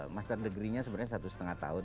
master degree nya sebenarnya satu setengah tahun